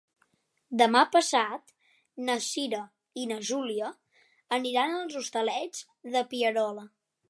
Demà passat na Cira i na Júlia aniran als Hostalets de Pierola.